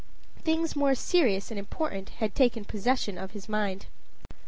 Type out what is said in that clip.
Things more serious and important had taken possession of his mind.